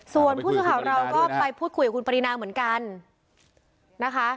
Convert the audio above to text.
ส่วนผู้สื่อข่าวเราก็ไปพูดคุยกับคุณปรินาเหมือนกันนะคะ